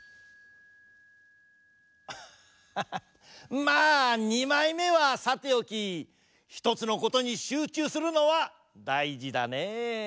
アッハハまあにまいめはさておきひとつのことにしゅうちゅうするのはだいじだねえ。